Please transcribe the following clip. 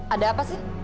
ada apa sih